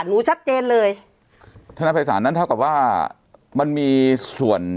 รู้ชัดเจนเลยธนภัยศาลนั้นเท่ากับว่ามันมีส่วน